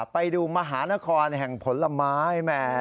ไปดูมหานครแห่งผลไม้